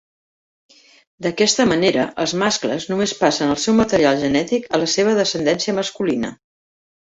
D'aquesta manera els mascles només passen el seu material genètic a la seva descendència masculina.